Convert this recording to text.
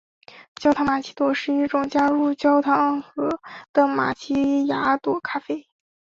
焦糖玛琪雅朵是一种加入焦糖的玛琪雅朵咖啡。